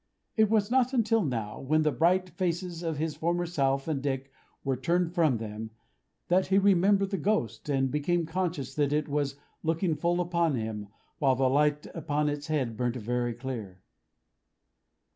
It was not until now, when the bright faces of his former self and Dick were turned from them, that he remembered the Ghost, and became conscious that it was looking full upon him, while the light upon its head burnt very clear.